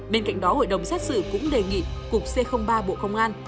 bên cạnh đó hội đồng xét xử cũng đề nghị cục c ba bộ công an